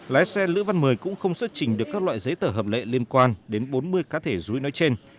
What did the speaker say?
lái xe lữ văn mười cũng không xuất trình được các loại giấy tờ hợp lệ liên quan đến bốn mươi cá thể rúi nói trên